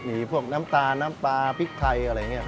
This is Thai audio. มีพวกน้ำตาลน้ำปลาพริกไทยอะไรอย่างนี้